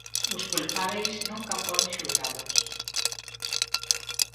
Os culpábeis nunca foron xulgados.